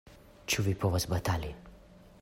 Ĉu vi povas batali?